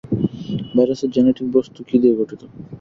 ভাইরাসের জেনেটিক বস্তু কী দিয়ে গঠিত?